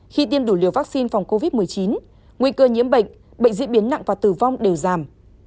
khi tiêm đủ liều vaccine phòng covid một mươi chín nguy cơ nhiễm bệnh bệnh diễn biến nặng và tử vong đều giảm